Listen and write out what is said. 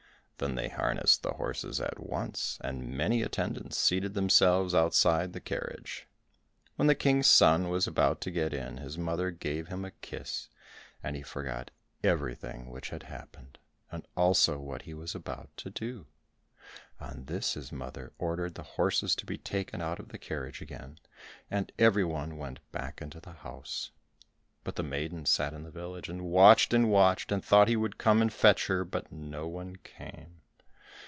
Then they harnessed the horses at once, and many attendants seated themselves outside the carriage. When the King's son was about to get in, his mother gave him a kiss, and he forgot everything which had happened, and also what he was about to do. On this his mother ordered the horses to be taken out of the carriage again, and everyone went back into the house. But the maiden sat in the village and watched and watched, and thought he would come and fetch her, but no one came.